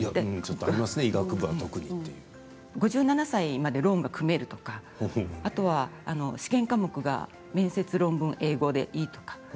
５７歳までローンが組めるとかあとは試験科目が面接、論文、英語でいいとか。